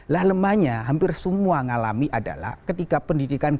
lah lemahnya hampir semua yang mengalami adalah ketika pendidikan kritis di dunia